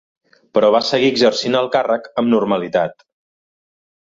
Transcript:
Però va seguir exercint el càrrec amb normalitat.